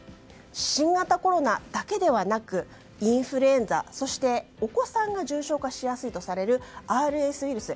新型コロナだけではなくインフルエンザそしてお子さんが重症化しやすいとされるＲＳウイルス。